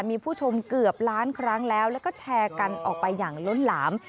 มีผู้ชมเกือบล้านครั้งแล้วแล้วก็แชร์กันออกไปอย่างล้นหลาม